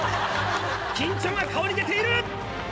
緊張が顔に出ている！